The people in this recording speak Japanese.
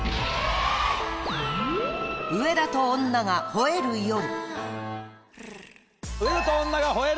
『上田と女が吠える夜』！